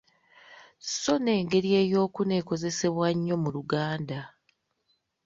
Sso n’engeri eyookuna ekozesebwa ennyo mu Luganda.